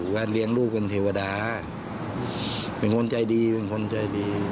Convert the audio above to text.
เลี้ยงลูกเป็นเทวดาเป็นคนใจดีเป็นคนใจดี